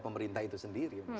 pemerintah itu sendiri